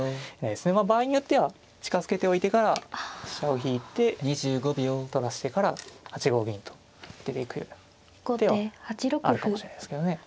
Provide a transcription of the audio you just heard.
場合によっては近づけておいてから飛車を引いて取らしてから８五銀と出ていく手はあるかもしれないですけどね。